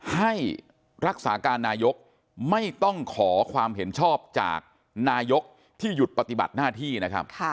ให้รักษาการนายกไม่ต้องขอความเห็นชอบจากนายกที่หยุดปฏิบัติหน้าที่นะครับ